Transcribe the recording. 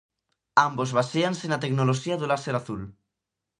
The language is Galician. Ambos baséanse na tecnoloxía do Láser Azul.